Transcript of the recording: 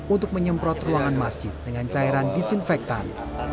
untuk menyemprot ruangan masjid dengan cairan disinfektan